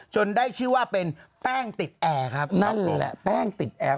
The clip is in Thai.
ได้ชื่อว่าเป็นแป้งติดแอร์ครับนั่นนี่แหละแป้งติดแอร์